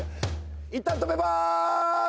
いったん止めます